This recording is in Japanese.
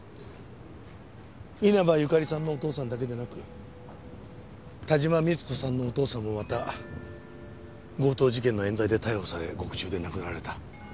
稲葉由香利さんのお父さんだけでなく田島三津子さんのお父さんもまた強盗事件の冤罪で逮捕され獄中で亡くなられた。